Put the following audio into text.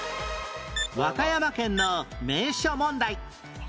和歌山県の名所問題